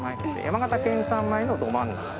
山形県産米のどまんなか。